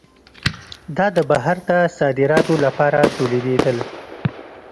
دا د بهر ته صادراتو لپاره تولیدېدل.